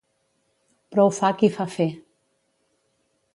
Prou fa qui fa fer.